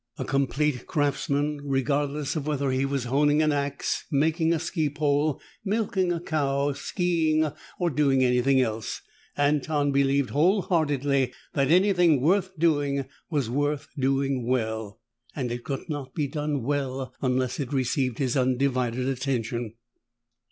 A complete craftsman, regardless of whether he was honing an ax, making a ski pole, milking a cow, skiing, or doing anything else, Anton believed wholeheartedly that anything worth doing was worth doing well, and it could not be well done unless it received his undivided attention.